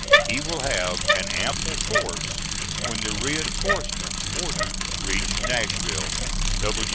He will have an ample force when the reinforcements ordered reach Nashville.